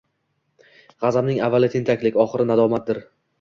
G‘azabning avvali tentaklik, oxiri nadomatdir.